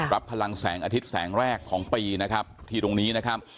พลังแสงอาทิตย์แสงแรกของปีนะครับที่ตรงนี้นะครับ